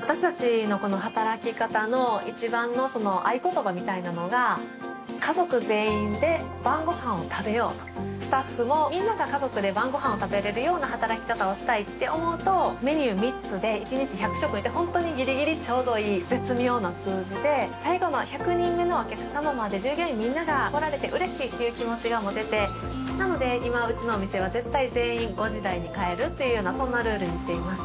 私達の働き方の一番の合言葉みたいなのが家族全員で晩ごはんを食べようとスタッフもみんなが家族で晩ごはんを食べれるような働き方をしたいって思うとメニュー３つで１日１００食って本当にギリギリちょうどいい絶妙な数字で最後の１００人目のお客様まで従業員みんなが来られて嬉しいっていう気持ちが持ててなので今うちのお店は絶対全員５時台に帰るっていうようなそんなルールにしています